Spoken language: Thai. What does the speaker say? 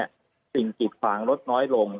ยิ่งสิ่งหลีกฝางลดน้อยลง